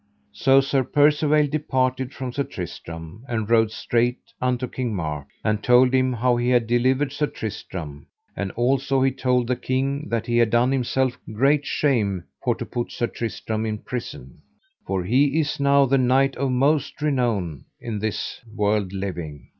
So Sir Percivale departed from Sir Tristram, and rode straight unto King Mark, and told him how he had delivered Sir Tristram; and also he told the king that he had done himself great shame for to put Sir Tristram in prison, for he is now the knight of most renown in this world living.